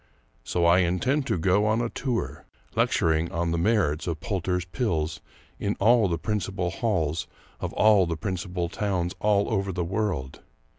So I intend to go on a tour, lecturing on the merits of Poulter's Pills in all the principal halls of all the principal towns all over the world.